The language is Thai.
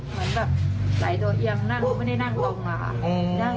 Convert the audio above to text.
เหมือนแบบไหลตัวเอียงนั่งไม่ได้นั่งลงอะค่ะ